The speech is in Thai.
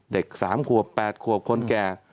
เด็ก๓ขวบ๘ขวบคนแก่